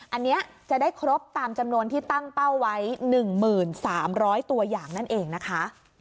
อันนี้จะได้ครบตามจำนวนที่ตั้งเป้าไว้๑๓๐๐ตัวอย่างนั่นเองนะคะ